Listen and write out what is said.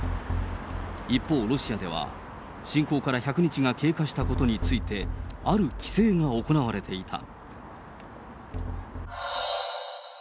一方、ロシアでは、侵攻から１００日が経過したことについて、ある規制が行われていた。